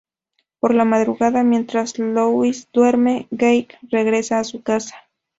Por la madrugada, mientras Louis duerme, Gage regresa a su casa.